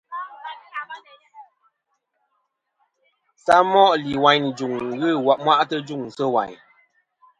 Samoʼ lìwàyn î jùŋ nɨ̀ ghɨ ɨmwaʼtɨ ɨ jûŋ sɨ̂ wàyn.